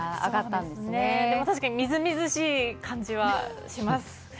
でも確かにみずみずしい感じはします。